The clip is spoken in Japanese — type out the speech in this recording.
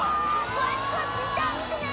詳しくはＴｗｉｔｔｅｒを見てね！